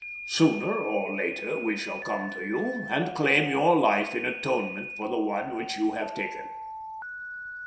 Sooner or later we shall come to you and claim your life in atonement for the one which you have taken.